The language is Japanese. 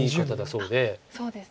そうですね。